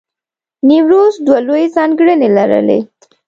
نیمروز دوه لوی ځانګړنې لرلې.